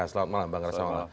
selamat malam bang rasa mala